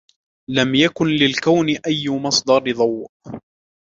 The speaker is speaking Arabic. لم يكن للكون أي مصدر ضوء